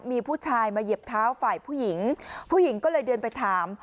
มีผู้ชายมาเหยียบเท้าฝ่ายผู้หญิงผู้หญิงก็เลยเดินไปถาม